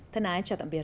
thân ái chào tạm biệt